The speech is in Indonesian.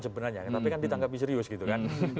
sebenarnya tapi kan ditanggapi serius gitu kan